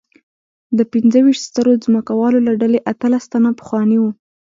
د پنځه ویشت سترو ځمکوالو له ډلې اتلس تنه پخواني وو.